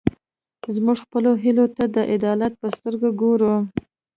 موږ خپلو هیلو ته د عدالت په سترګه ګورو.